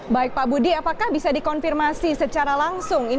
baik pak budi apakah bisa dikonfirmasi secara langsung